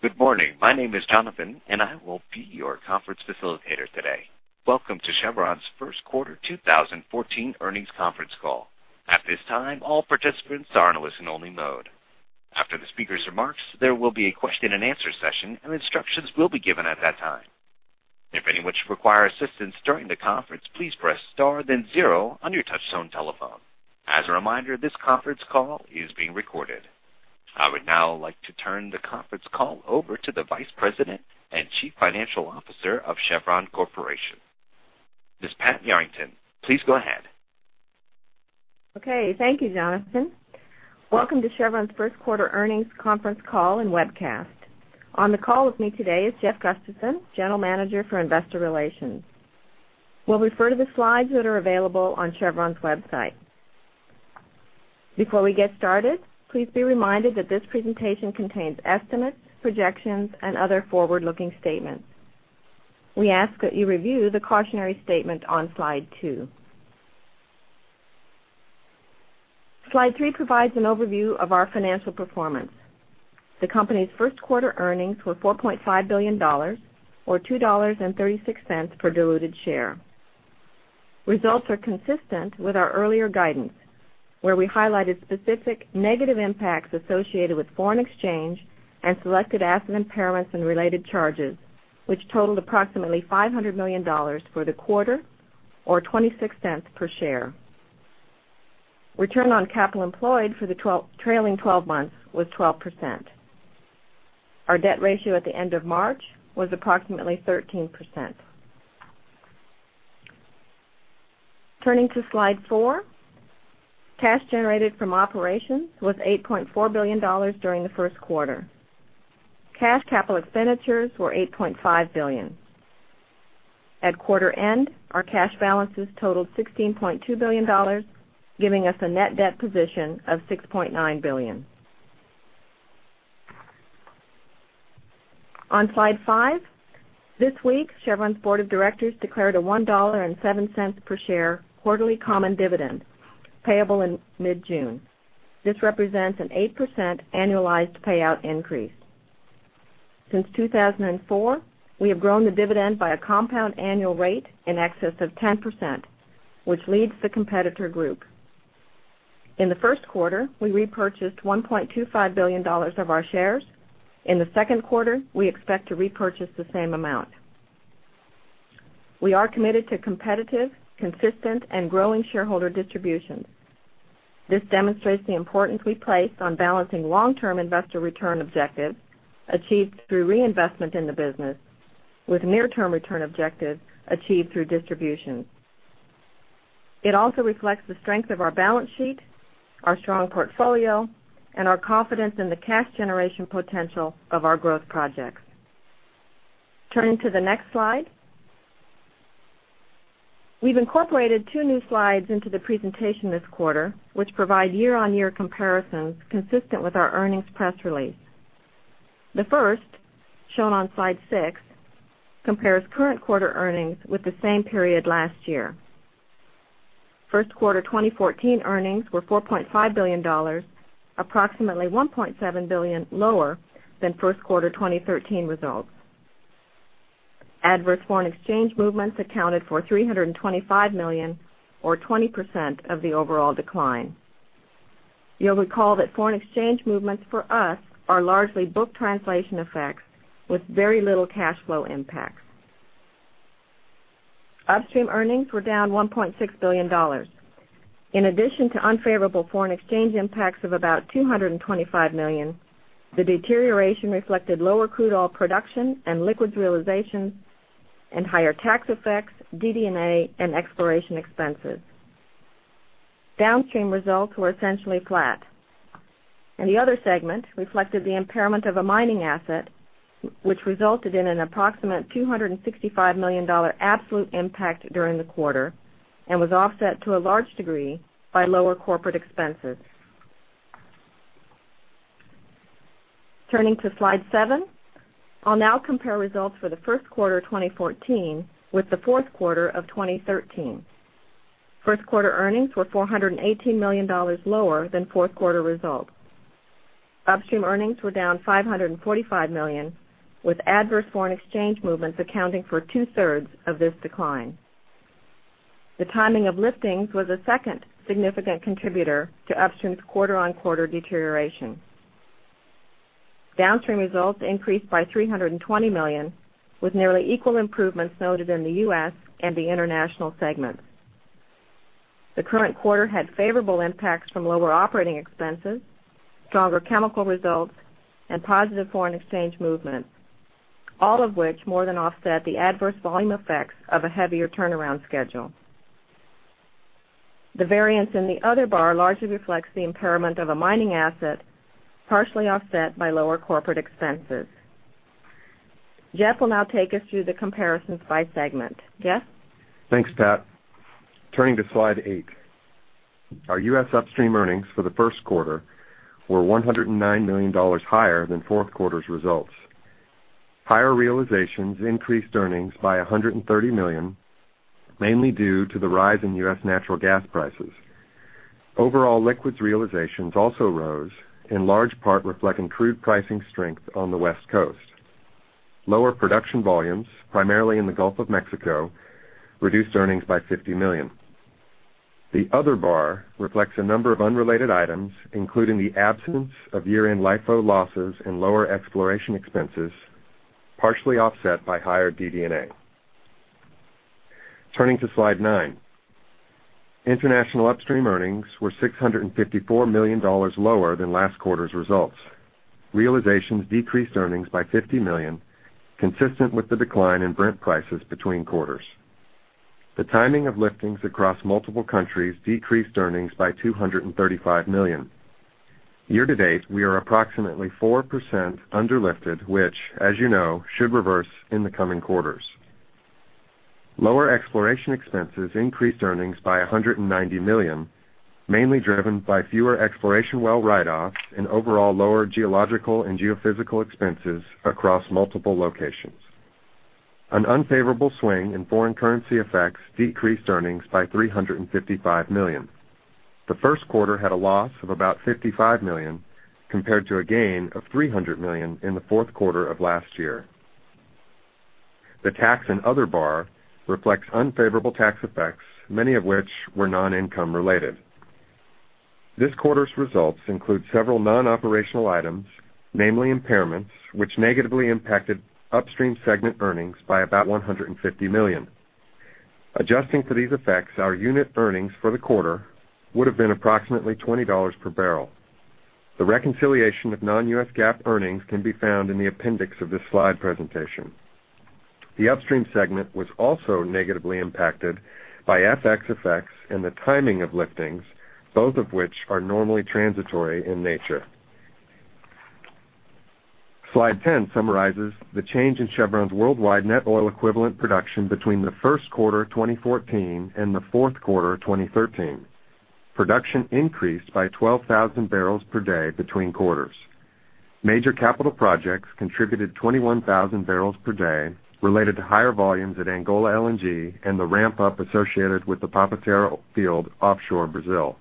Good morning. My name is Jonathan. I will be your conference facilitator today. Welcome to Chevron's first quarter 2014 earnings conference call. At this time, all participants are in listen-only mode. After the speaker's remarks, there will be a question and answer session. Instructions will be given at that time. If anyone should require assistance during the conference, please press star then zero on your touchtone telephone. As a reminder, this conference call is being recorded. I would now like to turn the conference call over to the Vice President and Chief Financial Officer of Chevron Corporation. Ms. Pat Yarrington, please go ahead. Okay, thank you, Jonathan. Welcome to Chevron's first quarter earnings conference call and webcast. On the call with me today is Jeff Gustavson, General Manager for Investor Relations. We'll refer to the slides that are available on Chevron's website. Before we get started, please be reminded that this presentation contains estimates, projections, and other forward-looking statements. We ask that you review the cautionary statement on Slide two. Slide three provides an overview of our financial performance. The company's first quarter earnings were $4.5 billion, or $2.36 per diluted share. Results are consistent with our earlier guidance, where we highlighted specific negative impacts associated with foreign exchange and selected asset impairments and related charges, which totaled approximately $500 million for the quarter, or $0.26 per share. Return on capital employed for the trailing 12 months was 12%. Our debt ratio at the end of March was approximately 13%. Turning to Slide four, cash generated from operations was $8.4 billion during the first quarter. Cash capital expenditures were $8.5 billion. At quarter end, our cash balances totaled $16.2 billion, giving us a net debt position of $6.9 billion. On Slide five, this week, Chevron's board of directors declared a $1.07 per share quarterly common dividend payable in mid-June. This represents an 8% annualized payout increase. Since 2004, we have grown the dividend by a compound annual rate in excess of 10%, which leads the competitor group. In the first quarter, we repurchased $1.25 billion of our shares. In the second quarter, we expect to repurchase the same amount. We are committed to competitive, consistent, and growing shareholder distributions. This demonstrates the importance we place on balancing long-term investor return objectives, achieved through reinvestment in the business, with near-term return objectives achieved through distributions. It also reflects the strength of our balance sheet, our strong portfolio, and our confidence in the cash generation potential of our growth projects. Turning to the next slide. We've incorporated two new slides into the presentation this quarter, which provide year-on-year comparisons consistent with our earnings press release. The first, shown on Slide six, compares current quarter earnings with the same period last year. First quarter 2014 earnings were $4.5 billion, approximately $1.7 billion lower than first quarter 2013 results. Adverse foreign exchange movements accounted for $325 million or 20% of the overall decline. You'll recall that foreign exchange movements for us are largely book translation effects with very little cash flow impact. Upstream earnings were down $1.6 billion. In addition to unfavorable foreign exchange impacts of about $225 million, the deterioration reflected lower crude oil production and liquids realization and higher tax effects, DD&A, and exploration expenses. Downstream results were essentially flat, and the other segment reflected the impairment of a mining asset, which resulted in an approximate $265 million absolute impact during the quarter and was offset to a large degree by lower corporate expenses. Turning to Slide seven. I'll now compare results for the first quarter 2014 with the fourth quarter of 2013. First quarter earnings were $418 million lower than fourth quarter results. Upstream earnings were down $545 million, with adverse foreign exchange movements accounting for two-thirds of this decline. The timing of liftings was a second significant contributor to upstream's quarter-on-quarter deterioration. Downstream results increased by $320 million, with nearly equal improvements noted in the U.S. and the international segments. The current quarter had favorable impacts from lower operating expenses, stronger chemical results, and positive foreign exchange movements, all of which more than offset the adverse volume effects of a heavier turnaround schedule. The variance in the other bar largely reflects the impairment of a mining asset, partially offset by lower corporate expenses. Jeff will now take us through the comparisons by segment. Jeff? Thanks, Pat. Turning to Slide eight. Our U.S. upstream earnings for the first quarter were $109 million higher than fourth quarter's results. Higher realizations increased earnings by $130 million, mainly due to the rise in U.S. natural gas prices. Overall liquids realizations also rose, in large part reflecting crude pricing strength on the West Coast. Lower production volumes, primarily in the Gulf of Mexico, reduced earnings by $50 million. The other bar reflects a number of unrelated items, including the absence of year-end LIFO losses and lower exploration expenses, partially offset by higher DD&A. Turning to slide nine. International upstream earnings were $654 million lower than last quarter's results. Realizations decreased earnings by $50 million, consistent with the decline in Brent prices between quarters. The timing of liftings across multiple countries decreased earnings by $235 million. Year-to-date, we are approximately 4% under lifted, which, as you know, should reverse in the coming quarters. Lower exploration expenses increased earnings by $190 million, mainly driven by fewer exploration well write-offs and overall lower geological and geophysical expenses across multiple locations. An unfavorable swing in foreign currency effects decreased earnings by $355 million. The first quarter had a loss of about $55 million, compared to a gain of $300 million in the fourth quarter of last year. The tax and other bar reflects unfavorable tax effects, many of which were non-income related. This quarter's results include several non-operational items, namely impairments, which negatively impacted upstream segment earnings by about $150 million. Adjusting for these effects, our unit earnings for the quarter would have been approximately $20 per barrel. The reconciliation of non-U.S. GAAP earnings can be found in the appendix of this slide presentation. The upstream segment was also negatively impacted by FX effects and the timing of liftings, both of which are normally transitory in nature. Slide 10 summarizes the change in Chevron's worldwide net oil equivalent production between the first quarter 2014 and the fourth quarter 2013. Production increased by 12,000 barrels per day between quarters. Major capital projects contributed 21,000 barrels per day related to higher volumes at Angola LNG and the ramp-up associated with the Papa-Terra field offshore Brazil.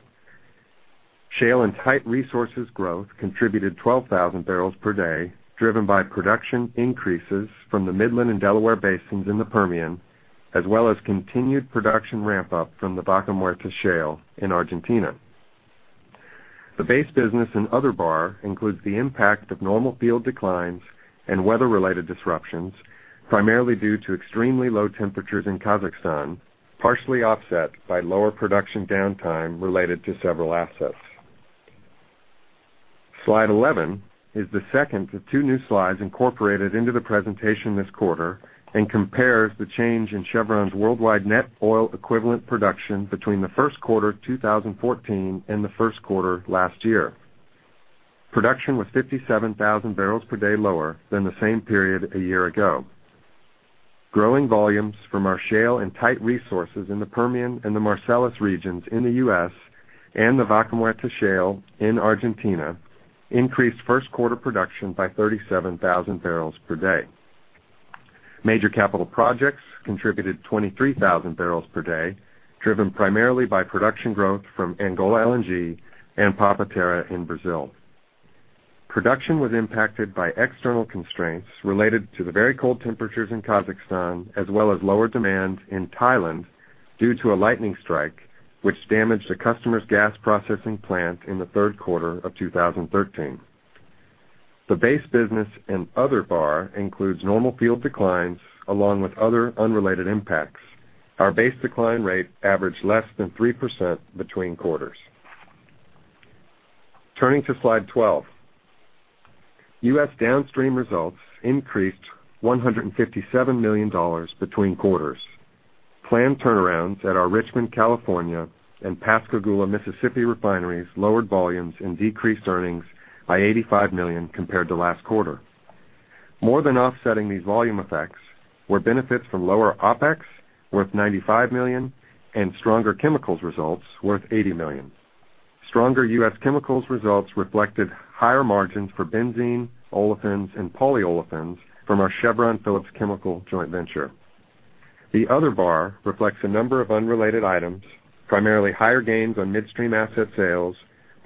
Shale and tight resources growth contributed 12,000 barrels per day, driven by production increases from the Midland and Delaware Basins in the Permian, as well as continued production ramp-up from the Vaca Muerta Shale in Argentina. The base business and other bar includes the impact of normal field declines and weather-related disruptions, primarily due to extremely low temperatures in Kazakhstan, partially offset by lower production downtime related to several assets. Slide 11 is the second of two new slides incorporated into the presentation this quarter and compares the change in Chevron's worldwide net oil equivalent production between the first quarter 2014 and the first quarter last year. Production was 57,000 barrels per day lower than the same period a year ago. Growing volumes from our shale and tight resources in the U.S. Permian and the Marcellus regions and the Vaca Muerta Shale in Argentina increased first-quarter production by 37,000 barrels per day. Major capital projects contributed 23,000 barrels per day, driven primarily by production growth from Angola LNG and Papa-Terra in Brazil. Production was impacted by external constraints related to the very cold temperatures in Kazakhstan, as well as lower demand in Thailand due to a lightning strike, which damaged the customer's gas processing plant in the third quarter of 2013. The base business and other bar includes normal field declines along with other unrelated impacts. Our base decline rate averaged less than 3% between quarters. Turning to slide 12. U.S. downstream results increased $157 million between quarters. Planned turnarounds at our Richmond, California and Pascagoula, Mississippi refineries lowered volumes and decreased earnings by $85 million compared to last quarter. More than offsetting these volume effects were benefits from lower OpEx worth $95 million and stronger chemicals results worth $80 million. Stronger U.S. chemicals results reflected higher margins for Benzene, Olefins, and Polyolefins from our Chevron Phillips Chemical joint venture. The other bar reflects a number of unrelated items, primarily higher gains on midstream asset sales,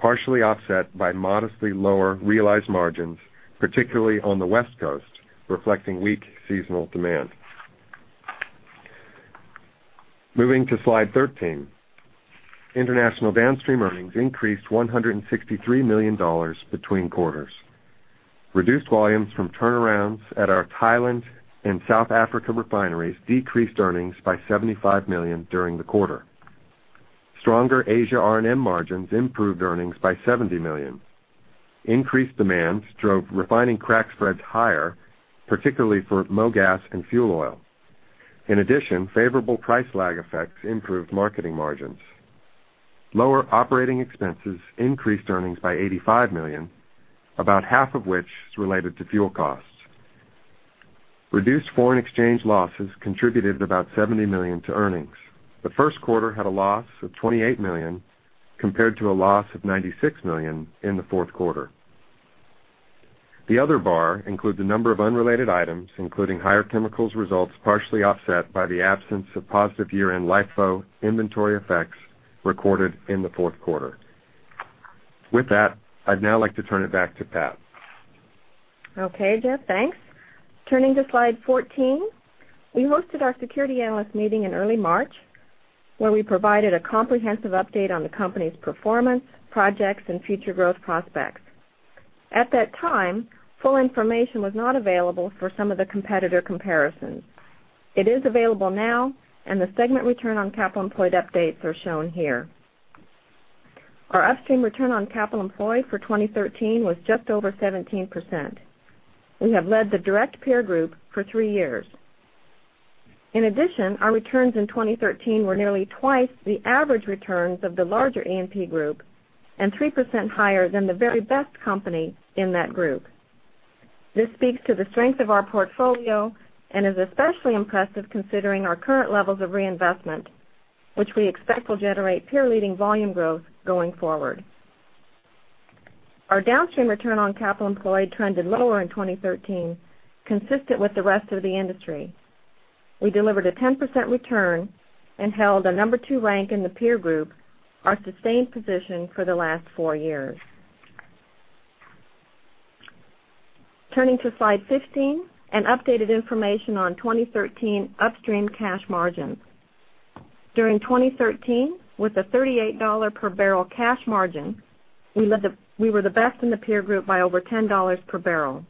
partially offset by modestly lower realized margins, particularly on the West Coast, reflecting weak seasonal demand. Moving to slide 13. International downstream earnings increased $163 million between quarters. Reduced volumes from turnarounds at our Thailand and South Africa refineries decreased earnings by $75 million during the quarter. Stronger Asia R&M margins improved earnings by $70 million. Increased demands drove refining crack spreads higher, particularly for mogas and fuel oil. Favorable price lag effects improved marketing margins. Lower operating expenses increased earnings by $85 million, about half of which is related to fuel costs. Reduced foreign exchange losses contributed about $70 million to earnings. The first quarter had a loss of $28 million compared to a loss of $96 million in the fourth quarter. The other bar includes a number of unrelated items, including higher chemicals results, partially offset by the absence of positive year-end LIFO inventory effects recorded in the fourth quarter. I'd now like to turn it back to Pat. Okay, Jeff, thanks. Turning to slide 14. We hosted our security analyst meeting in early March, where we provided a comprehensive update on the company's performance, projects and future growth prospects. At that time, full information was not available for some of the competitor comparisons. It is available now, and the segment return on capital employed updates are shown here. Our upstream return on capital employed for 2013 was just over 17%. We have led the direct peer group for three years. In addition, our returns in 2013 were nearly twice the average returns of the larger E&P group, and 3% higher than the very best company in that group. This speaks to the strength of our portfolio and is especially impressive considering our current levels of reinvestment, which we expect will generate peer-leading volume growth going forward. Our downstream return on capital employed trended lower in 2013, consistent with the rest of the industry. We delivered a 10% return and held a number 2 rank in the peer group, our sustained position for the last four years. Turning to slide 15, updated information on 2013 upstream cash margins. During 2013, with a $38 per barrel cash margin, we were the best in the peer group by over $10 per barrel.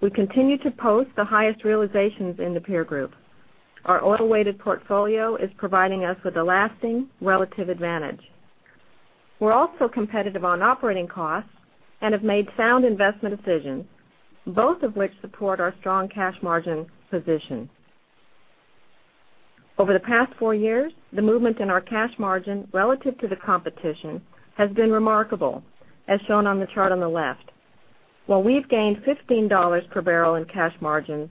We continue to post the highest realizations in the peer group. Our oil-weighted portfolio is providing us with a lasting relative advantage. We're also competitive on operating costs and have made sound investment decisions, both of which support our strong cash margin position. Over the past four years, the movement in our cash margin relative to the competition has been remarkable, as shown on the chart on the left. We have gained $15 per barrel in cash margin,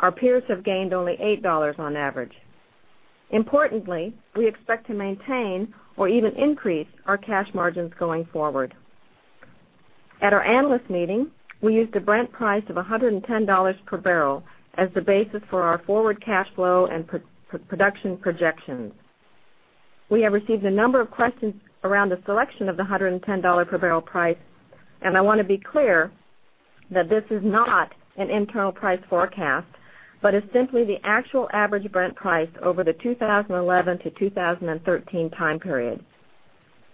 our peers have gained only $8 on average. Importantly, we expect to maintain or even increase our cash margins going forward. At our analyst meeting, we used a Brent price of $110 per barrel as the basis for our forward cash flow and production projections. We have received a number of questions around the selection of the $110 per barrel price, and I want to be clear that this is not an internal price forecast, but is simply the actual average Brent price over the 2011 to 2013 time period.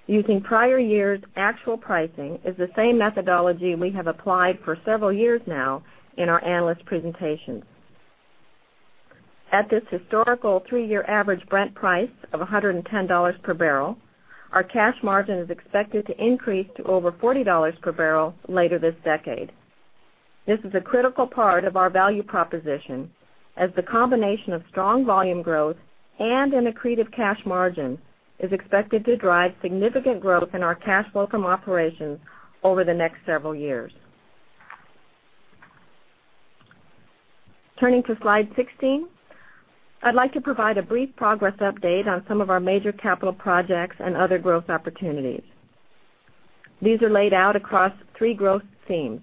Using prior years' actual pricing is the same methodology we have applied for several years now in our analyst presentations. At this historical three-year average Brent price of $110 per barrel, our cash margin is expected to increase to over $40 per barrel later this decade. This is a critical part of our value proposition, as the combination of strong volume growth and an accretive cash margin is expected to drive significant growth in our cash flow from operations over the next several years. Turning to slide 16. I'd like to provide a brief progress update on some of our major capital projects and other growth opportunities. These are laid out across three growth themes.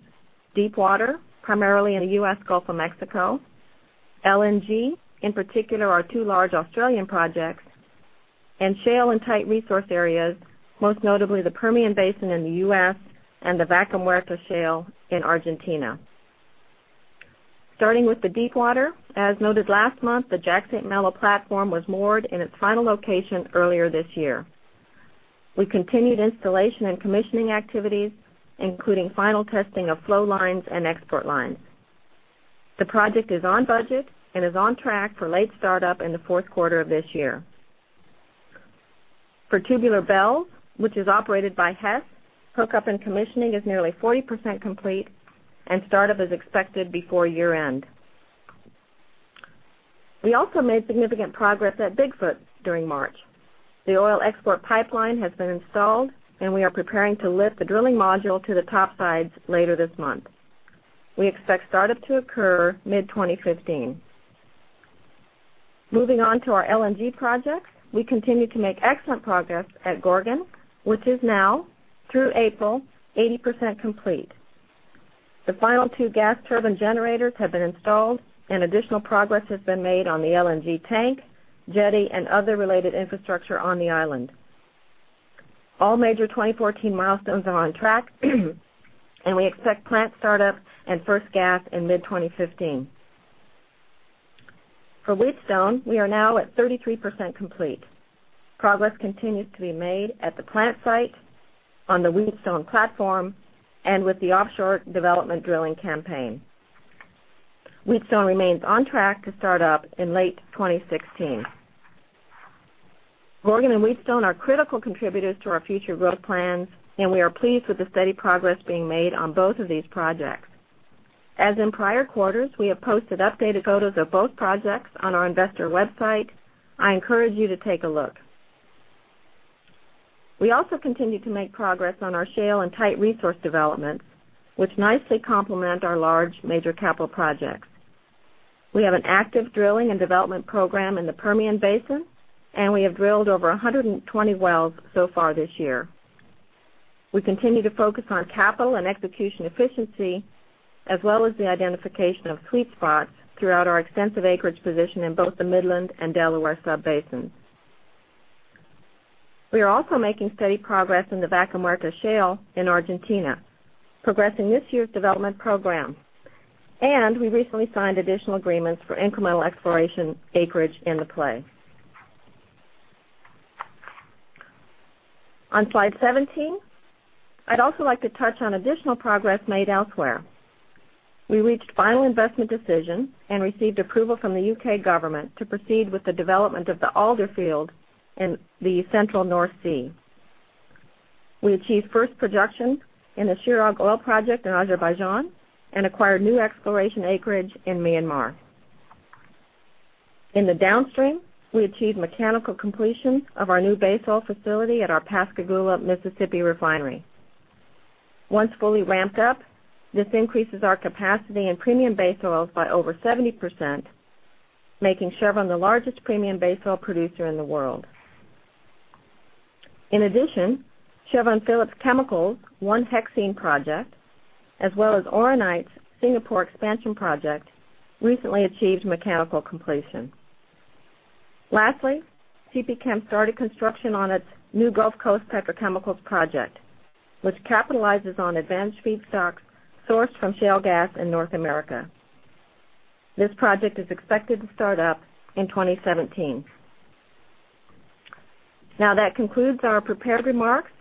Deepwater, primarily in the U.S. Gulf of Mexico. LNG, in particular our two large Australian projects. Shale and tight resource areas, most notably the Permian Basin in the U.S. and the Vaca Muerta shale in Argentina. Starting with the Deepwater, as noted last month, the Jack St. Malo platform was moored in its final location earlier this year. We continued installation and commissioning activities, including final testing of flow lines and export lines. The project is on budget and is on track for late start-up in the fourth quarter of this year. For Tubular Bells, which is operated by Hess, hookup and commissioning is nearly 40% complete and start-up is expected before year-end. We also made significant progress at Bigfoot during March. The oil export pipeline has been installed and we are preparing to lift the drilling module to the topsides later this month. We expect start-up to occur mid-2015. Moving on to our LNG projects. We continue to make excellent progress at Gorgon, which is now, through April, 80% complete. The final two gas turbine generators have been installed and additional progress has been made on the LNG tank, jetty and other related infrastructure on the island. All major 2014 milestones are on track, and we expect plant start-up and first gas in mid-2015. For Wheatstone, we are now at 33% complete. Progress continues to be made at the plant site, on the Wheatstone platform and with the offshore development drilling campaign. Wheatstone remains on track to start up in late 2016. Gorgon and Wheatstone are critical contributors to our future growth plans, and we are pleased with the steady progress being made on both of these projects. As in prior quarters, we have posted updated photos of both projects on our investor website. I encourage you to take a look. We also continue to make progress on our shale and tight resource developments, which nicely complement our large major capital projects. We have an active drilling and development program in the Permian Basin, and we have drilled over 120 wells so far this year. We continue to focus on capital and execution efficiency, as well as the identification of sweet spots throughout our extensive acreage position in both the Midland and Delaware sub-basins. We are also making steady progress in the Vaca Muerta shale in Argentina, progressing this year's development program. We recently signed additional agreements for incremental exploration acreage in the play. On slide 17, I'd also like to touch on additional progress made elsewhere. We reached final investment decision and received approval from the U.K. government to proceed with the development of the Alder field in the central North Sea. We achieved first production in the Chirag oil project in Azerbaijan and acquired new exploration acreage in Myanmar. In the downstream, we achieved mechanical completion of our new base oil facility at our Pascagoula, Mississippi refinery. Once fully ramped up, this increases our capacity in premium base oils by over 70%, making Chevron the largest premium base oil producer in the world. In addition, Chevron Phillips Chemical's 1-hexene project, as well as Oronite's Singapore expansion project, recently achieved mechanical completion. Lastly, CP Chem started construction on its new Gulf Coast petrochemicals project, which capitalizes on advanced feedstocks sourced from shale gas in North America. This project is expected to start up in 2017. That concludes our prepared remarks.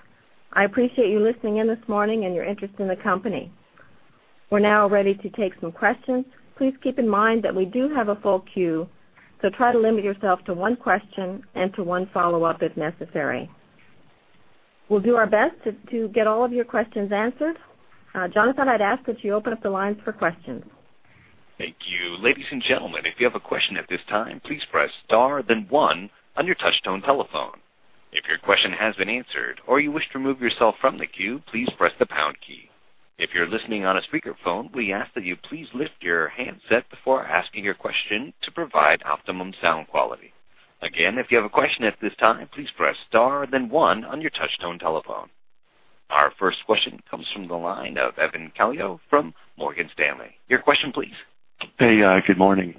I appreciate you listening in this morning and your interest in the company. We're now ready to take some questions. Please keep in mind that we do have a full queue, so try to limit yourself to one question and to one follow-up if necessary. We'll do our best to get all of your questions answered. Jonathan, I'd ask that you open up the lines for questions. Thank you. Ladies and gentlemen, if you have a question at this time, please press star then one on your touch-tone telephone. If your question has been answered or you wish to remove yourself from the queue, please press the pound key. If you're listening on a speakerphone, we ask that you please lift your handset before asking your question to provide optimum sound quality. Again, if you have a question at this time, please press star then one on your touch-tone telephone. Our first question comes from the line of Evan Calio from Morgan Stanley. Your question, please. Hey. Good morning.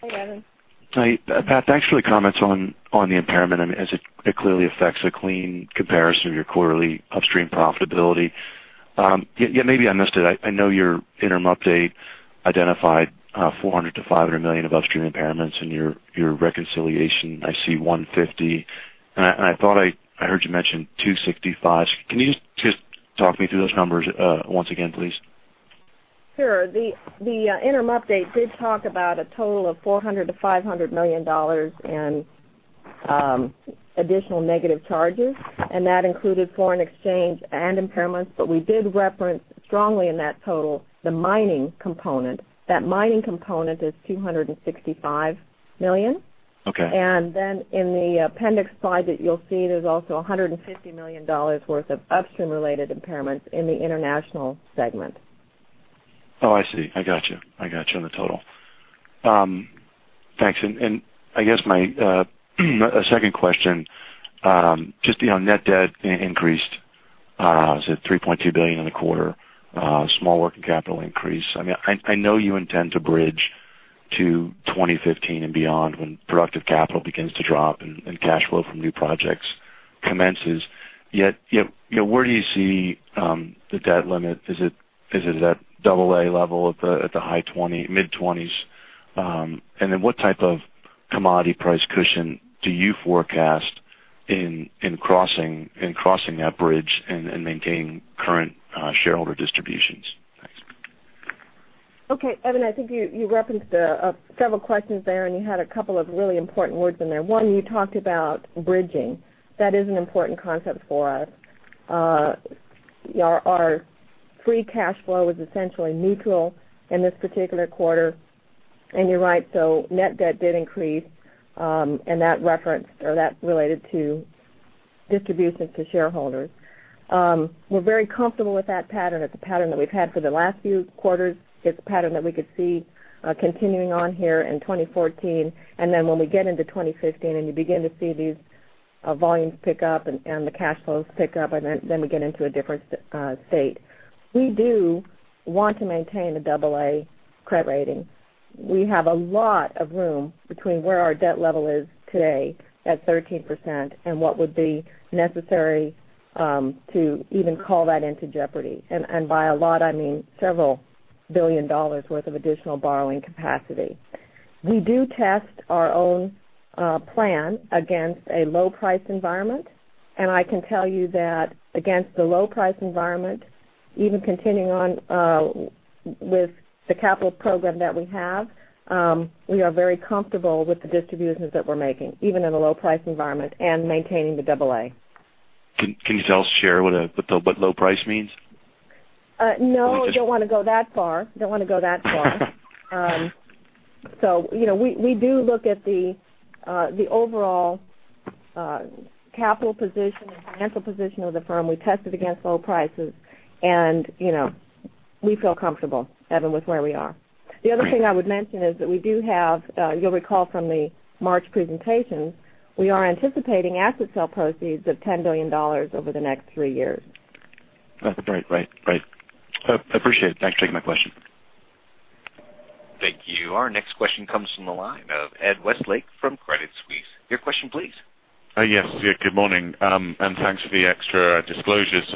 Hey, Evan. Hi, Pat. Thanks for the comments on the impairment as it clearly affects a clean comparison of your quarterly upstream profitability. Maybe I missed it. I know your interim update identified $400 million to $500 million of upstream impairments. In your reconciliation, I see $150, and I thought I heard you mention $265. Can you just talk me through those numbers once again, please? Sure. The interim update did talk about a total of $400 million-$500 million in additional negative charges, and that included foreign exchange and impairments. We did reference strongly in that total the mining component. That mining component is $265 million. Okay. In the appendix slide that you'll see, there's also $150 million worth of upstream-related impairments in the international segment. Oh, I see. I got you. I got you on the total. Thanks. I guess my second question, just net debt increased to $3.2 billion in the quarter, small working capital increase. I know you intend to bridge to 2015 and beyond when productive capital begins to drop and cash flow from new projects commences. Yet, where do you see the debt limit? Is it at double A level at the mid-20s? What type of commodity price cushion do you forecast in crossing that bridge and maintaining current shareholder distributions? Thanks. Okay. Evan, I think you referenced several questions there, you had a couple of really important words in there. One, you talked about bridging. That is an important concept for us. Our free cash flow was essentially neutral in this particular quarter, you're right, net debt did increase, and that's related to distributions to shareholders. We're very comfortable with that pattern. It's a pattern that we've had for the last few quarters. It's a pattern that we could see continuing on here in 2014. When we get into 2015 and you begin to see these volumes pick up and the cash flows pick up, then we get into a different state. We do want to maintain the double A credit rating. We have a lot of room between where our debt level is today at 13% and what would be necessary to even call that into jeopardy. By a lot, I mean several billion dollars worth of additional borrowing capacity. We do test our own plan against a low price environment, and I can tell you that against the low price environment, even continuing on with the capital program that we have, we are very comfortable with the distributions that we're making, even in a low price environment and maintaining the AA. Can you tell us, share what low price means? No, don't want to go that far. We do look at the overall capital position and financial position of the firm, we tested against oil prices and we feel comfortable, Evan, with where we are. The other thing I would mention is that we do have, you'll recall from the March presentation, we are anticipating asset sale proceeds of $10 billion over the next three years. That's great. I appreciate it. Thanks for taking my question. Thank you. Our next question comes from the line of Ed Westlake from Credit Suisse. Your question, please. Yes. Good morning, thanks for the extra disclosures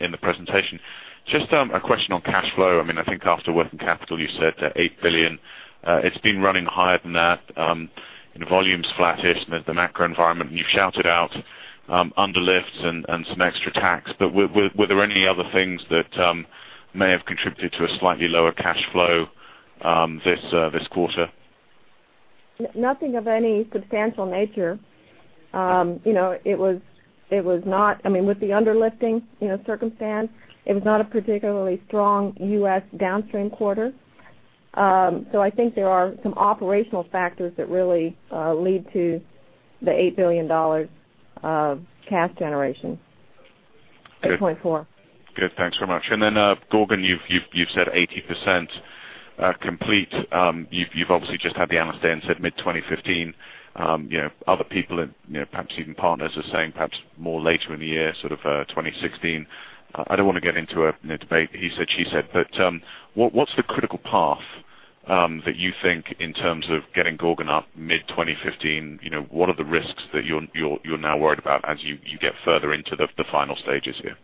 in the presentation. Just a question on cash flow. I think after working capital, you said $8 billion. It's been running higher than that. Volume's flattish in the macro environment, you've shouted out underlifts and some extra tax, were there any other things that may have contributed to a slightly lower cash flow this quarter? Nothing of any substantial nature. With the underlifting circumstance, it was not a particularly strong U.S. downstream quarter. I think there are some operational factors that really lead to the $8 billion of cash generation. $8.4 billion. Good. Thanks very much. Then Gorgon, you've said 80% complete. You've obviously just had the analyst day and said mid-2015. Other people have, perhaps even partners, are saying perhaps more later in the year, sort of 2016. I don't want to get into a debate, he said, she said, what's the critical path that you think in terms of getting Gorgon up mid-2015? What are the risks that you're now worried about as you get further into the final stages here?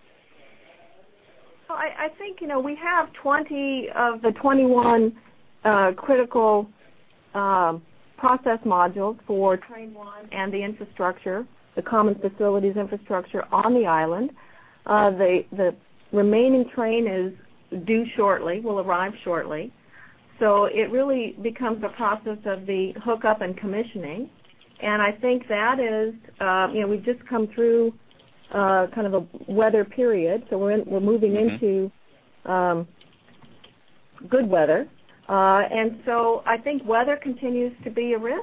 I think we have 20 of the 21 critical process modules for train 1 and the infrastructure, the common facilities infrastructure on the island. The remaining train is due shortly, will arrive shortly. It really becomes a process of the hookup and commissioning. I think that is, we've just come through kind of a weather period, so we're moving into good weather. I think weather continues to be a risk,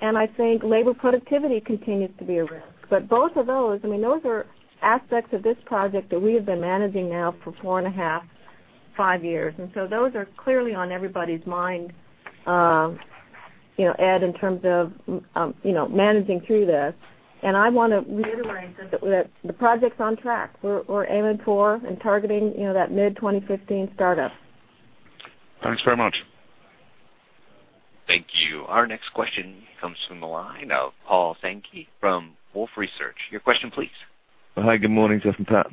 and I think labor productivity continues to be a risk. Both of those are aspects of this project that we have been managing now for four and a half, five years. Those are clearly on everybody's mind, Ed, in terms of managing through this. I want to reiterate that the project's on track. We're aiming for and targeting that mid-2015 startup. Thanks very much. Thank you. Our next question comes from the line of Paul Sankey from Wolfe Research. Your question, please. Hi, good morning, Jeff and Pat.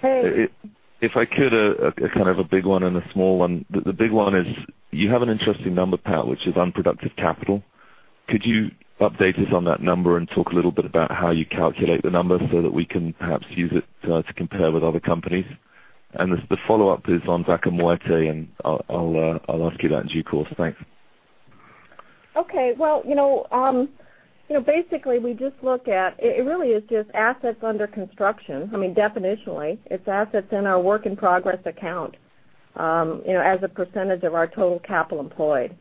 Hey. If I could, kind of a big one and a small one. The big one is you have an interesting number, Pat, which is unproductive capital. Could you update us on that number and talk a little bit about how you calculate the number so that we can perhaps use it to compare with other companies? The follow-up is on Zakum/Wafra, and I'll ask you that in due course. Thanks. Okay. Well, basically, we just look at, it really is just assets under construction. Definitionally, it's assets in our work in progress account as a percentage of our total capital employed.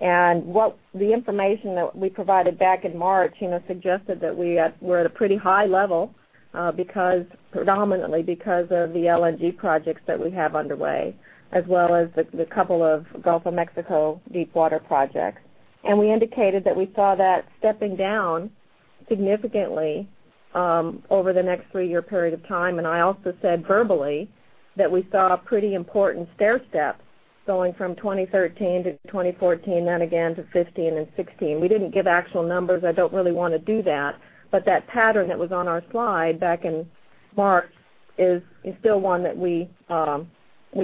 The information that we provided back in March suggested that we're at a pretty high level predominantly because of the LNG projects that we have underway, as well as the couple of Gulf of Mexico deepwater projects. We indicated that we saw that stepping down significantly over the next three-year period of time. I also said verbally that we saw a pretty important stairstep going from 2013 to 2014, then again to 2015 and 2016. We didn't give actual numbers. I don't really want to do that, but that pattern that was on our slide back in March is still one that we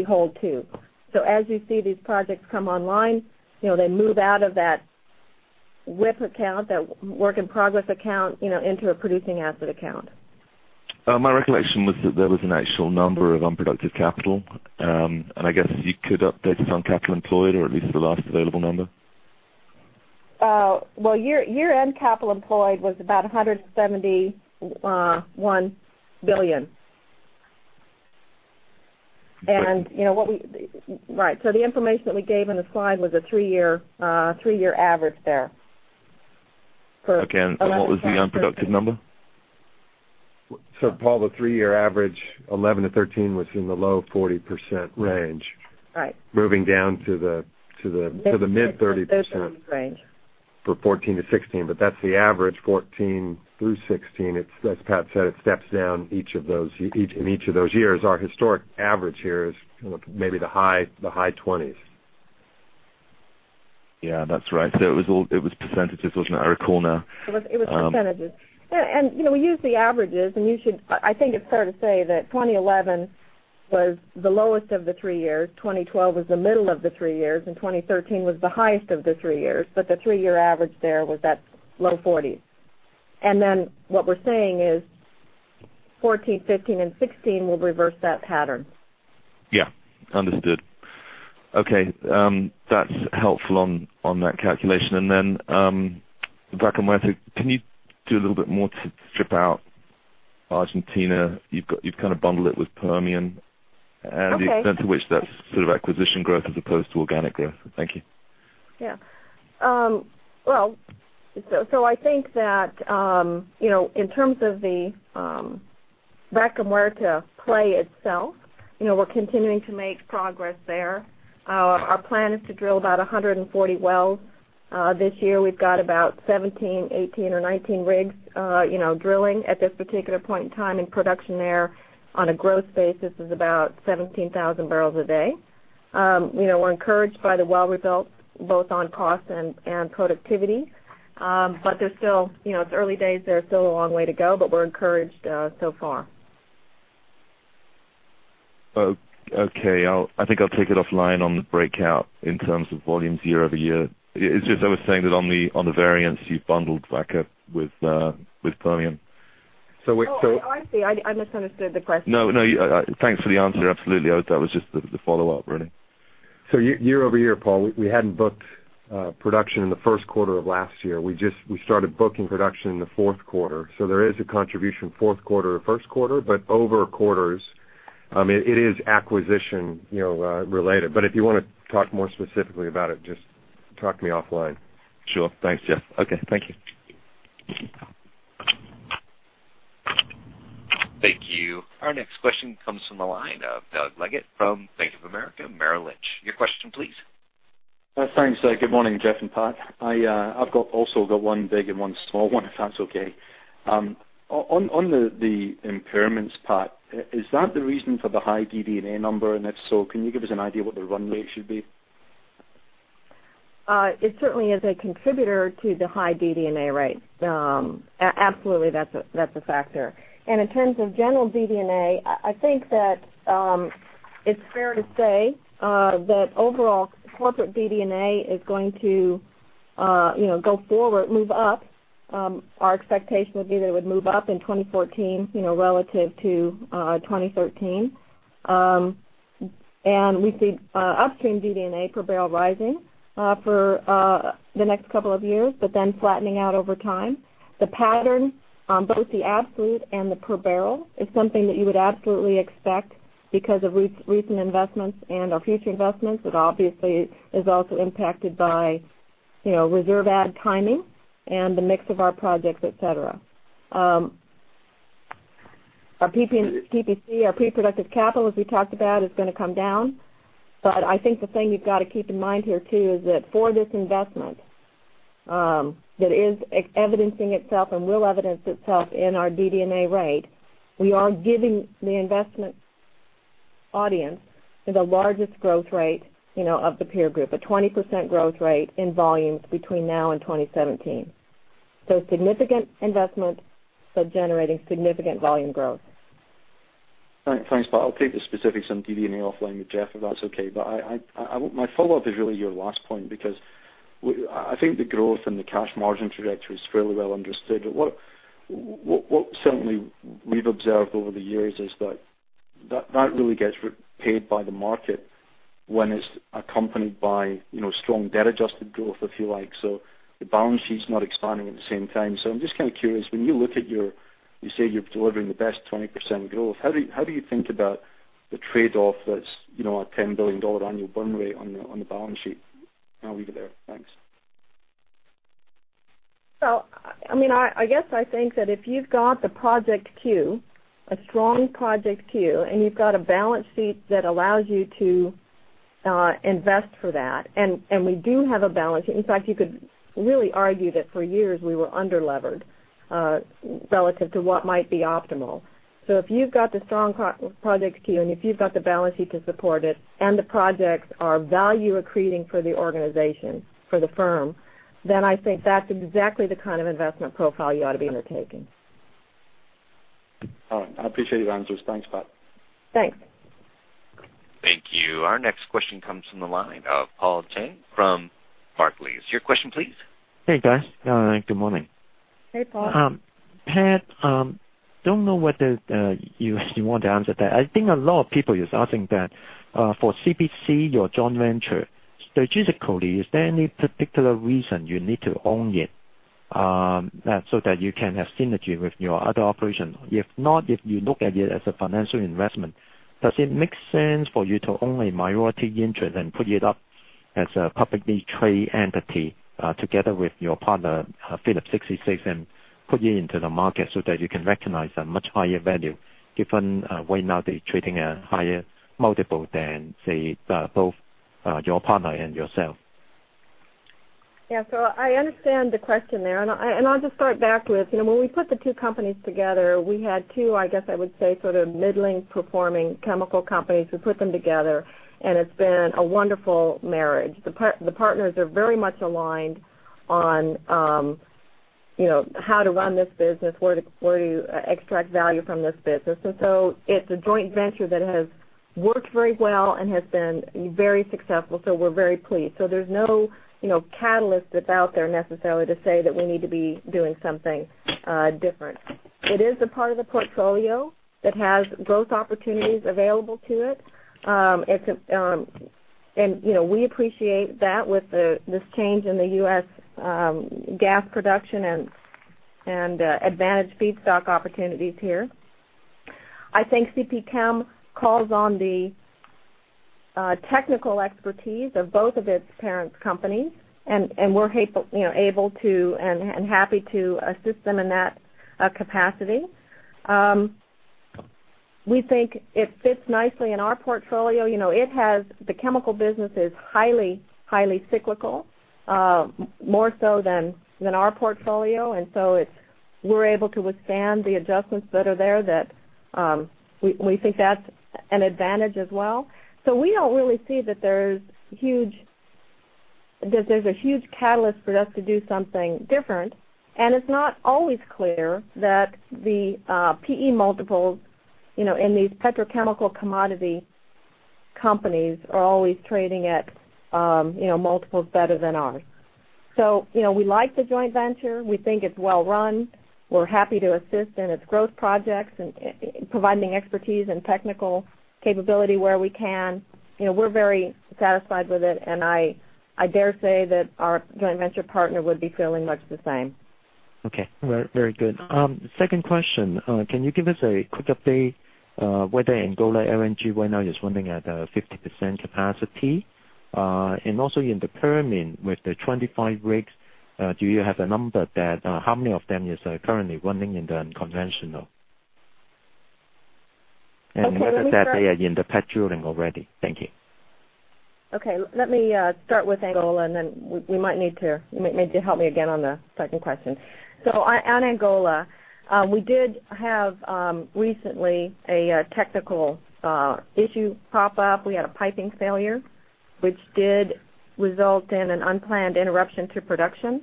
hold to. As you see these projects come online, they move out of that WIP account, that work in progress account, into a producing asset account. My recollection was that there was an actual number of unproductive capital. I guess you could update us on capital employed or at least the last available number? Well, year-end capital employed was about $171 billion. The information that we gave in the slide was a three-year average there for 11- Okay, what was the unproductive number? Paul, the three-year average, 2011 to 2013, was in the low 40% range. Right. Moving down to the mid-30% range for 2014 to 2016. That's the average 2014 through 2016. As Pat said, it steps down in each of those years. Our historic average here is maybe the high 20s. Yeah, that's right. It was percentages, wasn't it? I recall now. It was percentages. We use the averages, and I think it's fair to say that 2011 was the lowest of the three years, 2012 was the middle of the three years, and 2013 was the highest of the three years. The three-year average there was that low 40s. What we're saying is 2014, 2015, and 2016 will reverse that pattern. Yeah. Understood. Okay. That's helpful on that calculation. Back on my thing, can you do a little bit more to strip out Argentina, you've kind of bundled it with Permian. Okay. The extent to which that's sort of acquisition growth as opposed to organic growth. Thank you. Yeah. Well, I think that, in terms of the Vaca Muerta play itself, we're continuing to make progress there. Our plan is to drill about 140 wells this year. We've got about 17, 18 or 19 rigs drilling at this particular point in time. In production there, on a growth basis, is about 17,000 barrels a day. We're encouraged by the well results, both on cost and productivity. It's early days there, still a long way to go, but we're encouraged so far. Okay. I think I'll take it offline on the breakout in terms of volumes year-over-year. It's just I was saying that on the variance, you've bundled Vaca with Permian. Oh, I see. I misunderstood the question. No, thanks for the answer. Absolutely. That was just the follow-up, really. Year-over-year, Paul, we hadn't booked production in the first quarter of last year. We started booking production in the fourth quarter. There is a contribution, fourth quarter to first quarter, but over quarters, it is acquisition related. If you want to talk more specifically about it, just talk to me offline. Sure. Thanks, Jeff. Okay, thank you. Thank you. Our next question comes from the line of Doug Leggate from Bank of America Merrill Lynch. Your question, please. Thanks. Good morning, Jeff and Pat. I've also got one big and one small one, if that's okay. On the impairments, Pat, is that the reason for the high DD&A number? If so, can you give us an idea what the run rate should be? It certainly is a contributor to the high DD&A rate. Absolutely, that's a factor. In terms of general DD&A, I think that it's fair to say that overall corporate DD&A is going to go forward, move up. Our expectation would be that it would move up in 2014, relative to 2013. We see upstream DD&A per barrel rising for the next couple of years, but then flattening out over time. The pattern on both the absolute and the per barrel is something that you would absolutely expect because of recent investments and our future investments. It obviously is also impacted by reserve add timing and the mix of our projects, et cetera. Our PPC, our pre-productive capital, as we talked about, is going to come down. I think the thing you've got to keep in mind here, too, is that for this investment that is evidencing itself and will evidence itself in our DD&A rate, we are giving the investment audience the largest growth rate of the peer group, a 20% growth rate in volumes between now and 2017. Significant investment, but generating significant volume growth. Thanks, Pat. I'll take the specifics on DD&A offline with Jeff, if that's okay. My follow-up is really your last point, because I think the growth and the cash margin trajectory is fairly well understood. What certainly we've observed over the years is that really gets paid by the market when it's accompanied by strong debt adjusted growth, if you like. The balance sheet's not expanding at the same time. I'm just kind of curious, when you look at your, you say you're delivering the best 20% growth, how do you think about the trade-off that's a $10 billion annual burn rate on the balance sheet? I'll leave it there. Thanks. I guess I think that if you've got the project queue, a strong project queue, and you've got a balance sheet that allows you to invest for that. We do have a balance sheet. In fact, you could really argue that for years we were under-levered relative to what might be optimal. If you've got the strong project queue, and if you've got the balance sheet to support it, and the projects are value accreting for the organization, for the firm, then I think that's exactly the kind of investment profile you ought to be undertaking. All right. I appreciate your answers. Thanks, Pat. Thanks. Thank you. Our next question comes from the line of Paul Cheng from Barclays. Your question, please. Hey, guys. Good morning. Hey, Paul. Pat, don't know whether you want to answer that. I think a lot of people is asking that for CPC, your joint venture, strategically, is there any particular reason you need to own it so that you can have synergy with your other operations? If not, if you look at it as a financial investment, does it make sense for you to own a minority interest and put it up as a publicly traded entity together with your partner, Phillips 66, and put it into the market so that you can recognize a much higher value given right now they're trading at a higher multiple than, say, both your partner and yourself? Yeah. I understand the question there. I'll just start back with, when we put the two companies together, we had two, I guess I would say, sort of middling performing chemical companies. We put them together, and it's been a wonderful marriage. The partners are very much aligned on how to run this business, where to extract value from this business. It's a joint venture that has worked very well and has been very successful. We're very pleased. There's no catalyst that's out there necessarily to say that we need to be doing something different. It is a part of the portfolio that has growth opportunities available to it. We appreciate that with this change in the U.S. gas production and advantage feedstock opportunities here. I think CP Chem calls on the technical expertise of both of its parent companies, we're able to, and happy to, assist them in that capacity. We think it fits nicely in our portfolio. The chemical business is highly cyclical, more so than our portfolio, we're able to withstand the adjustments that are there that we think that's an advantage as well. We don't really see that there's a huge catalyst for us to do something different, it's not always clear that the PE multiples in these petrochemical commodity companies are always trading at multiples better than ours. We like the joint venture. We think it's well run. We're happy to assist in its growth projects and providing expertise and technical capability where we can. We're very satisfied with it, I dare say that our joint venture partner would be feeling much the same. Okay. Very good. Second question, can you give us a quick update whether Angola LNG right now is running at 50% capacity? Also in the Permian with the 25 rigs, do you have a number how many of them is currently running in the unconventional? Okay, let me start. Another fact, they are in the pad drilling already. Thank you. Okay, let me start with Angola, then you might need to help me again on the second question. On Angola, we did have recently a technical issue pop up. We had a piping failure, which did result in an unplanned interruption to production.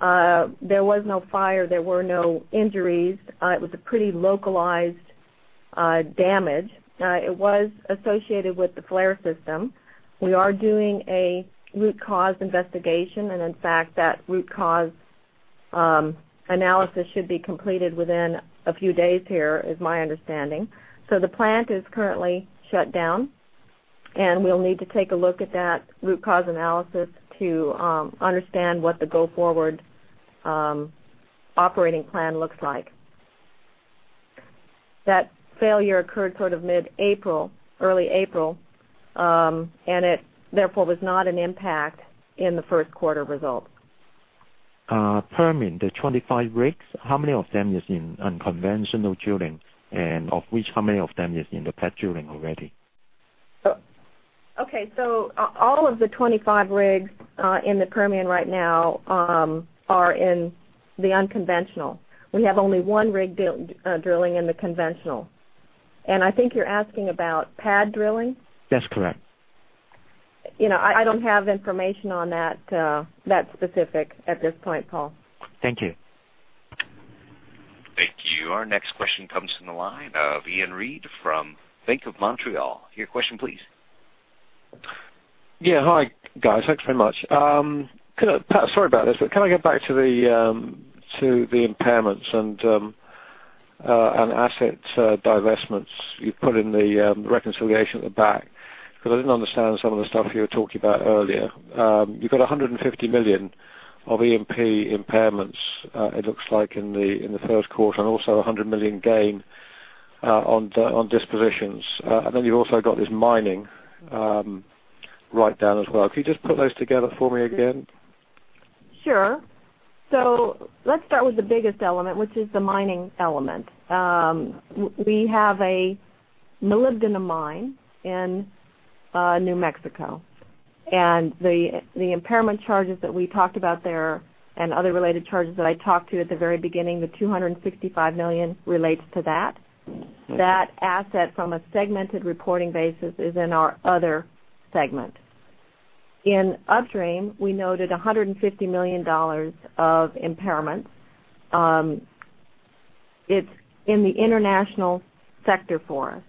There was no fire. There were no injuries. It was a pretty localized damage. It was associated with the flare system. We are doing a root cause investigation, in fact, that root cause analysis should be completed within a few days here, is my understanding. The plant is currently shut down, and we'll need to take a look at that root cause analysis to understand what the go-forward operating plan looks like. That failure occurred mid-April, early April, and it therefore was not an impact in the first quarter results. Permian, the 25 rigs, how many of them is in unconventional drilling? Of which, how many of them is in the pad drilling already? Okay. All of the 25 rigs in the Permian right now are in the unconventional. We have only one rig drilling in the conventional. I think you're asking about pad drilling? That's correct. I don't have information on that specific at this point, Paul. Thank you. Thank you. Our next question comes from the line of Iain Reid from Bank of Montreal. Your question, please. Yeah. Hi, guys. Thanks very much. Can I get back to the impairments and asset divestments you put in the reconciliation at the back? I didn't understand some of the stuff you were talking about earlier. You've got $150 million of E&P impairments, it looks like, in the first quarter, and also $100 million gain on dispositions. You've also got this mining write-down as well. Can you just put those together for me again? Sure. Let's start with the biggest element, which is the mining element. We have a molybdenum mine in New Mexico, and the impairment charges that we talked about there and other related charges that I talked to at the very beginning, the $265 million relates to that. Okay. That asset from a segmented reporting basis is in our other segment. In Upstream, we noted $150 million of impairment. It's in the international sector for us.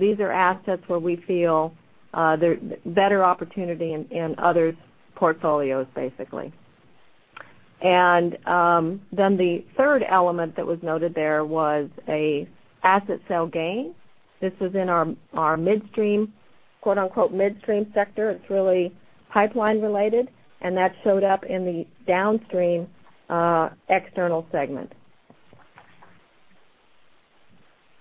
These are assets where we feel there are better opportunities in other portfolios, basically. The third element that was noted there was an asset sale gain. This is in our midstream, quote-unquote, midstream sector. It's really pipeline related, and that showed up in the Downstream external segment.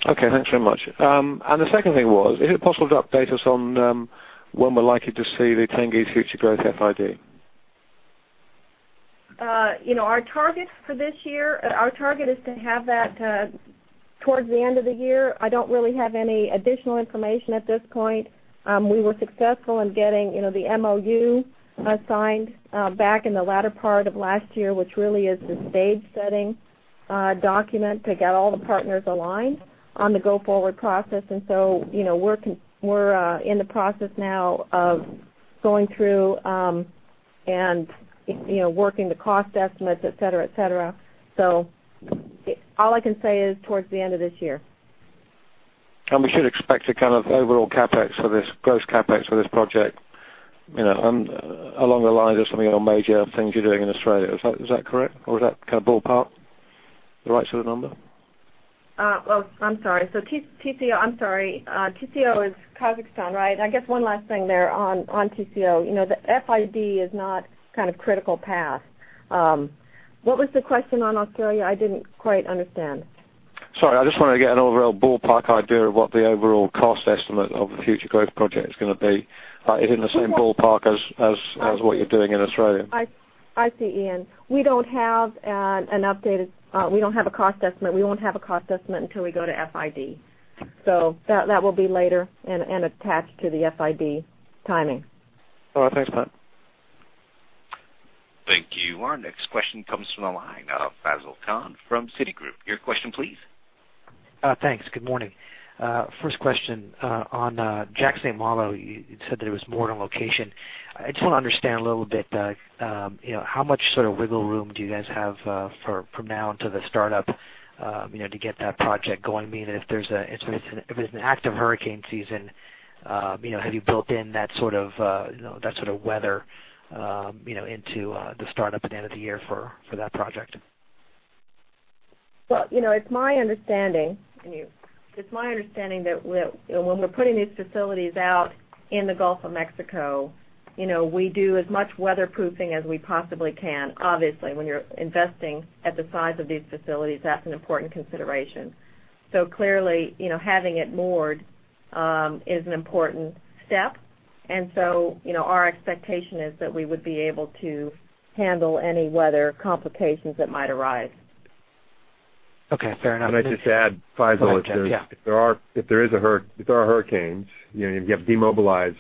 Okay, thanks very much. The second thing was, is it possible to update us on when we're likely to see the Tengiz future growth FID? Our target for this year, our target is to have that towards the end of the year. I don't really have any additional information at this point. We were successful in getting the MoU signed back in the latter part of last year, which really is the stage-setting document to get all the partners aligned on the go-forward process. We're in the process now of going through and working the cost estimates, et cetera. All I can say is towards the end of this year. We should expect a kind of overall CapEx for this, gross CapEx for this project, along the lines of some of your major things you're doing in Australia. Is that correct? Is that kind of ballpark, the right sort of number? I'm sorry. Tengizchevroil is Kazakhstan, right? I guess one last thing there on Tengizchevroil. The FID is not critical path. What was the question on Australia? I didn't quite understand. Sorry, I just wanted to get an overall ballpark idea of what the overall cost estimate of the future growth project is going to be. Is it in the same ballpark as what you're doing in Australia? I see, Ian. We don't have a cost estimate. We won't have a cost estimate until we go to FID. That will be later and attached to the FID timing. All right, thanks, Pat. Thank you. Our next question comes from the line of Faisel Khan from Citigroup. Your question, please. Thanks. Good morning. First question, on Jack/St. Malo, you said that it was moored on location. I just want to understand a little bit, how much sort of wiggle room do you guys have from now until the startup to get that project going? Meaning if there's an active hurricane season, have you built in that sort of weather into the startup at the end of the year for that project? Well, it's my understanding that when we're putting these facilities out in the Gulf of Mexico, we do as much weatherproofing as we possibly can. Obviously, when you're investing at the size of these facilities, that's an important consideration. Clearly, having it moored is an important step. Our expectation is that we would be able to handle any weather complications that might arise. Okay, fair enough. Can I just add, Faisel. Yeah. If there are hurricanes, you have to demobilize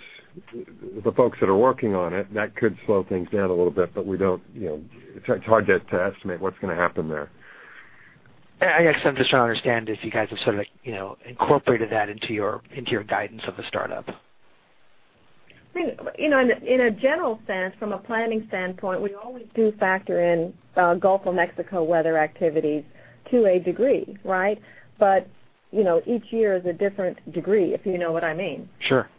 the folks that are working on it. That could slow things down a little bit, but it's hard to estimate what's going to happen there. I guess I'm just trying to understand if you guys have sort of incorporated that into your guidance of the startup. In a general sense, from a planning standpoint, we always do factor in Gulf of Mexico weather activities to a degree, right? Each year is a different degree, if you know what I mean. Sure.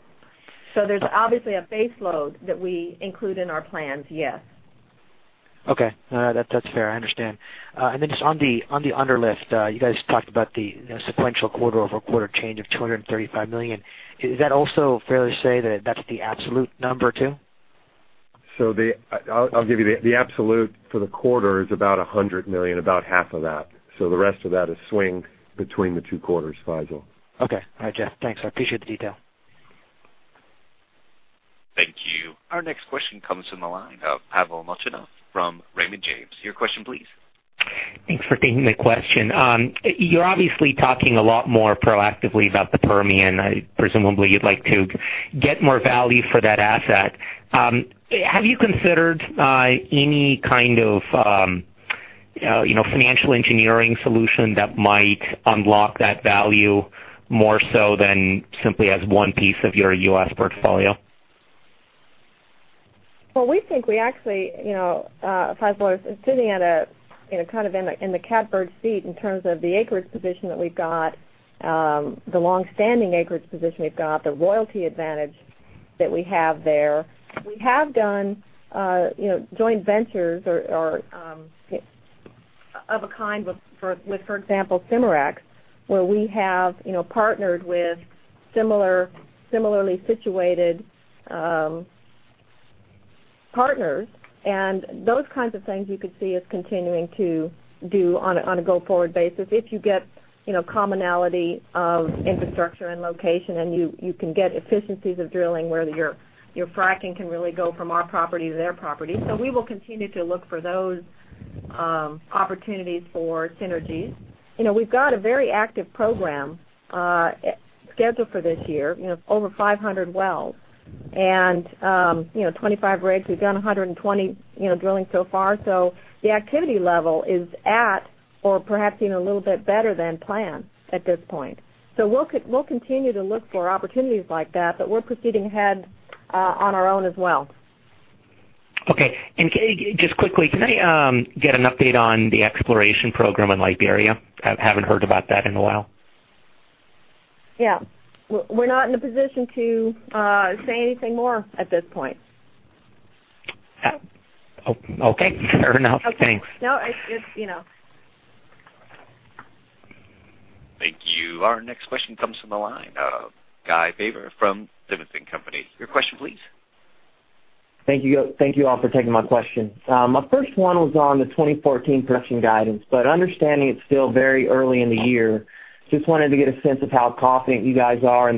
There's obviously a base load that we include in our plans, yes. Okay. That's fair. I understand. Then just on the underlift, you guys talked about the sequential quarter-over-quarter change of $235 million. Is that also fair to say that that's the absolute number too? I'll give you the absolute for the quarter is about $100 million, about half of that. The rest of that is swing between the two quarters, Faisel. Okay. All right, Jeff, thanks. I appreciate the detail. Thank you. Our next question comes from the line of Pavel Molchanov from Raymond James. Your question, please. Thanks for taking the question. You're obviously talking a lot more proactively about the Permian. Presumably, you'd like to get more value for that asset. Have you considered any kind of financial engineering solution that might unlock that value more so than simply as one piece of your U.S. portfolio? Well, we think we actually, Faisel, are sitting in the catbird seat in terms of the acreage position that we've got, the long-standing acreage position we've got, the royalty advantage that we have there. We have done joint ventures of a kind with, for example, Cimarex, where we have partnered with similarly situated partners. Those kinds of things you could see us continuing to do on a go-forward basis if you get commonality of infrastructure and location, and you can get efficiencies of drilling where your fracking can really go from our property to their property. We will continue to look for those opportunities for synergies. We've got a very active program scheduled for this year, over 500 wells and 25 rigs. We've done 120 drillings so far. The activity level is at or perhaps even a little bit better than planned at this point. We'll continue to look for opportunities like that, but we're proceeding ahead on our own as well. Okay. Pat, just quickly, can I get an update on the exploration program in Liberia? I haven't heard about that in a while. Yeah. We're not in a position to say anything more at this point. Okay. Fair enough. Thanks. No. Thank you. Our next question comes from the line of Guy Baber from Simmons & Company. Your question, please. Thank you all for taking my question. My first one was on the 2014 production guidance. Understanding it's still very early in the year, just wanted to get a sense of how confident you guys are in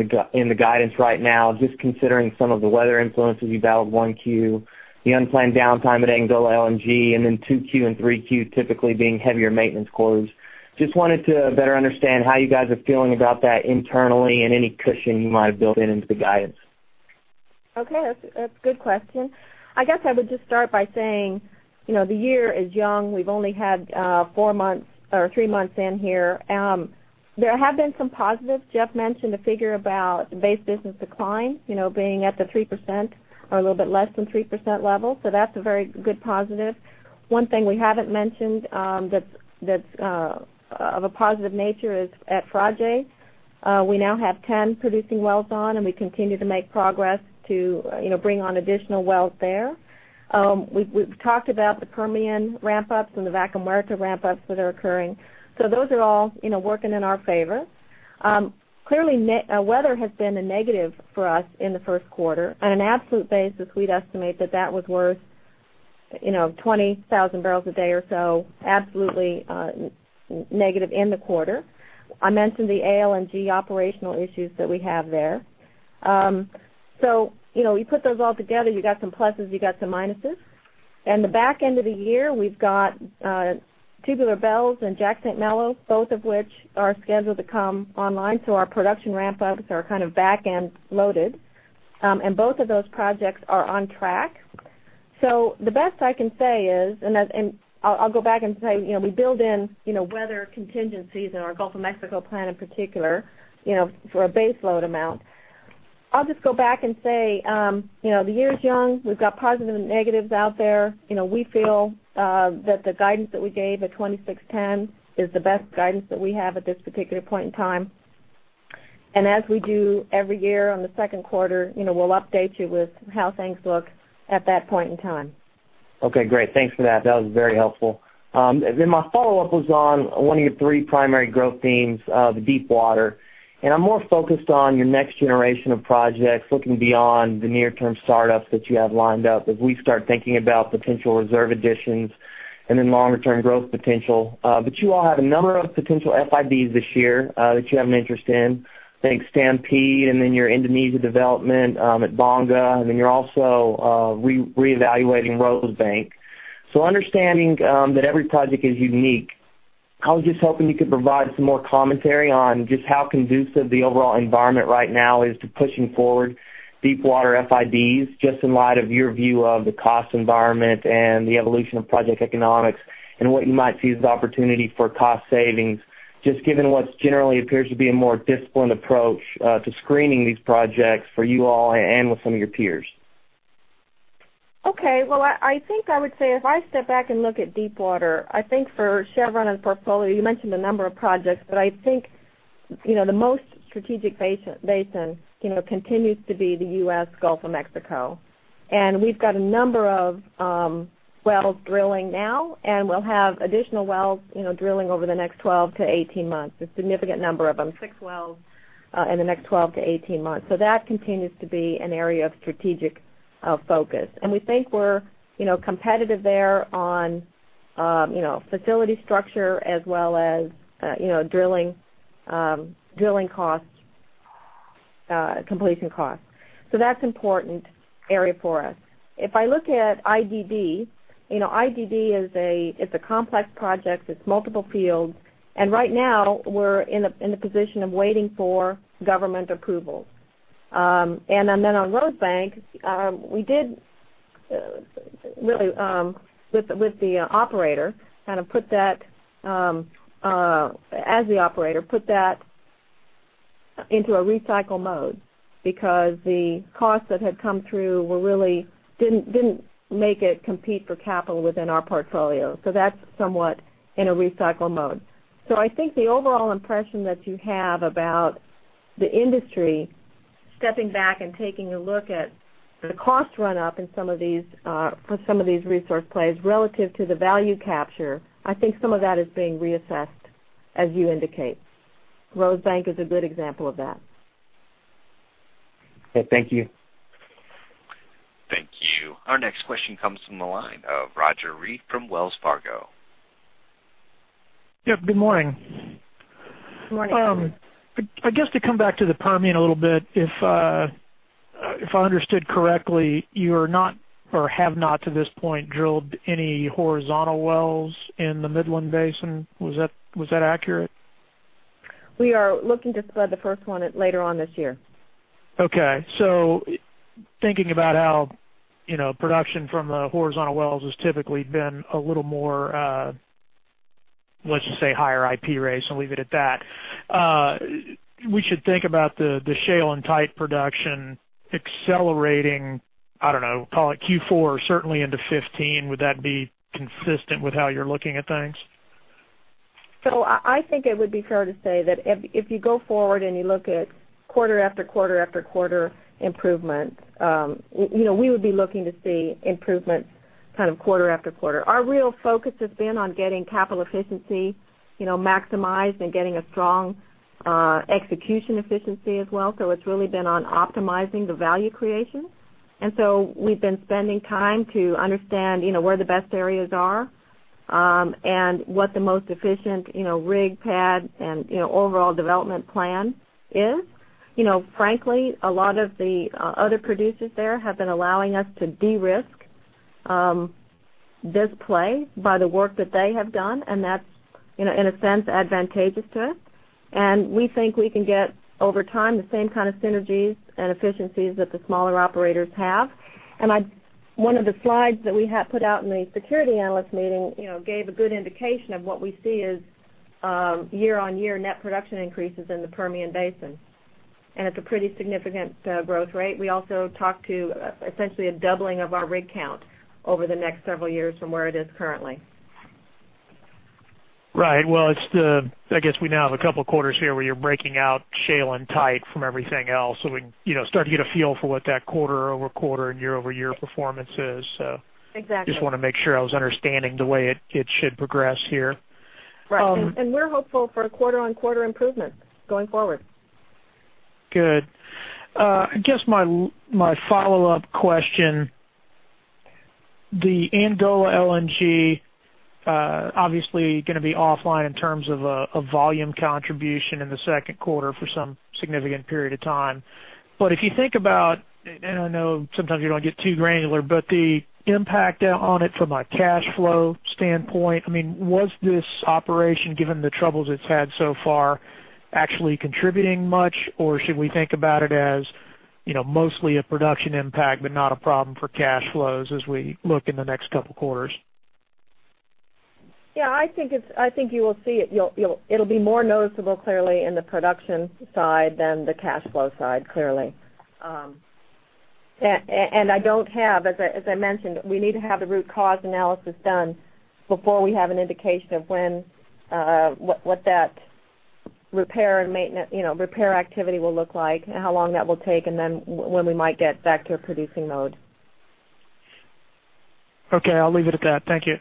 the guidance right now, just considering some of the weather influences you battled 1Q, the unplanned downtime at Angola LNG, and then 2Q and 3Q typically being heavier maintenance quarters. Just wanted to better understand how you guys are feeling about that internally and any cushion you might have built in into the guidance. Okay. That's a good question. I guess I would just start by saying, the year is young. We've only had 3 months in here. There have been some positives. Jeff mentioned a figure about base business decline being at the 3% or a little bit less than 3% level. That's a very good positive. One thing we haven't mentioned that's of a positive nature is at Frade. We now have 10 producing wells on, and we continue to make progress to bring on additional wells there. We've talked about the Permian ramp-ups and the Vaca Muerta ramp-ups that are occurring. Those are all working in our favor. Clearly, weather has been a negative for us in the first quarter. On an absolute basis, we'd estimate that that was worth 20,000 barrels a day or so, absolutely negative in the quarter. I mentioned the ALNG operational issues that we have there. You put those all together, you got some pluses, you got some minuses. In the back end of the year, we've got Tubular Bells and Jack/St. Malo, both of which are scheduled to come online. Our production ramp-ups are kind of back-end loaded. Both of those projects are on track. The best I can say is, and I'll go back and say, we build in weather contingencies in our Gulf of Mexico plan in particular, for a base load amount. I'll just go back and say, the year is young. We've got positives and negatives out there. We feel that the guidance that we gave at 2610 is the best guidance that we have at this particular point in time. As we do every year on the second quarter, we'll update you with how things look at that point in time. My follow-up was on one of your three primary growth themes, the deepwater. I'm more focused on your next generation of projects, looking beyond the near-term startups that you have lined up as we start thinking about potential reserve additions and then longer-term growth potential. You all have a number of potential FIDs this year, that you have an interest in. I think Stampede, and then your Indonesia development at Bangka, and then you're also reevaluating Rosebank. Understanding that every project is unique, I was just hoping you could provide some more commentary on just how conducive the overall environment right now is to pushing forward deepwater FIDs, just in light of your view of the cost environment and the evolution of project economics and what you might see as opportunity for cost savings, just given what generally appears to be a more disciplined approach to screening these projects for you all and with some of your peers. Okay. Well, I think I would say if I step back and look at deepwater, I think for Chevron and portfolio, you mentioned a number of projects, but I think the most strategic basin continues to be the U.S. Gulf of Mexico. We've got a number of wells drilling now, and we'll have additional wells drilling over the next 12 to 18 months, a significant number of them, six wells in the next 12 to 18 months. That continues to be an area of strategic focus. We think we're competitive there on facility structure as well as drilling costs, completion costs. That's important area for us. If I look at IDD, it's a complex project. It's multiple fields. Right now, we're in the position of waiting for government approval. On Rosebank, we did really, as the operator, put that into a recycle mode because the costs that had come through didn't make it compete for capital within our portfolio. That's somewhat in a recycle mode. I think the overall impression that you have about the industry stepping back and taking a look at the cost run-up for some of these resource plays relative to the value capture, I think some of that is being reassessed as you indicate. Rosebank is a good example of that. Okay. Thank you. Thank you. Our next question comes from the line of Roger Read from Wells Fargo. Yep, good morning. Good morning. I guess to come back to the Permian a little bit, if I understood correctly, you are not or have not to this point drilled any horizontal wells in the Midland Basin. Was that accurate? We are looking to spud the first one later on this year. Okay. Thinking about how production from horizontal wells has typically been a little more, let's just say higher IP rates and leave it at that. We should think about the shale and tight production accelerating, I don't know, call it Q4, certainly into 2015. Would that be consistent with how you're looking at things? I think it would be fair to say that if you go forward and you look at quarter after quarter after quarter improvement, we would be looking to see improvements quarter after quarter. Our real focus has been on getting capital efficiency maximized and getting a strong execution efficiency as well. It's really been on optimizing the value creation. We've been spending time to understand where the best areas are, and what the most efficient rig pad and overall development plan is. Frankly, a lot of the other producers there have been allowing us to de-risk this play by the work that they have done, and that's, in a sense, advantageous to us. We think we can get, over time, the same kind of synergies and efficiencies that the smaller operators have. One of the slides that we had put out in the security analyst meeting gave a good indication of what we see as year-over-year net production increases in the Permian Basin. It's a pretty significant growth rate. We also talked to essentially a doubling of our rig count over the next several years from where it is currently. Right. Well, I guess we now have a couple of quarters here where you're breaking out shale and tight from everything else, so we can start to get a feel for what that quarter-over-quarter and year-over-year performance is. Exactly. I just want to make sure I was understanding the way it should progress here. Right. We're hopeful for quarter-over-quarter improvements going forward. I guess my follow-up question, the Angola LNG obviously going to be offline in terms of volume contribution in the second quarter for some significant period of time. If you think about, and I know sometimes you don't get too granular, but the impact on it from a cash flow standpoint, was this operation, given the troubles it's had so far, actually contributing much, or should we think about it as mostly a production impact, but not a problem for cash flows as we look in the next couple quarters? Yeah, I think you will see it'll be more noticeable, clearly, in the production side than the cash flow side, clearly. I don't have, as I mentioned, we need to have the root cause analysis done before we have an indication of what that repair activity will look like and how long that will take, and then when we might get back to a producing mode. Okay. I'll leave it at that. Thank you.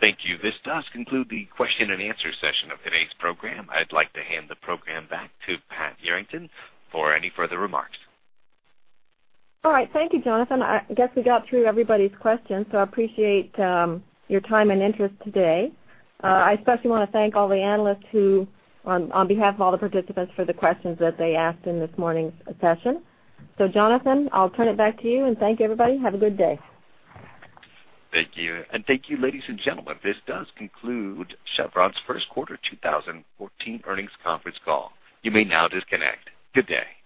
Thank you. This does conclude the question and answer session of today's program. I'd like to hand the program back to Pat Yarrington for any further remarks. All right. Thank you, Jonathan. I guess we got through everybody's questions, so I appreciate your time and interest today. I especially want to thank all the analysts who, on behalf of all the participants, for the questions that they asked in this morning's session. Jonathan, I'll turn it back to you, and thank you, everybody. Have a good day. Thank you. Thank you, ladies and gentlemen. This does conclude Chevron's first quarter 2014 earnings conference call. You may now disconnect. Good day.